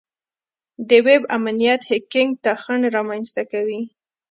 د ویب امنیت هیکینګ ته خنډ رامنځته کوي.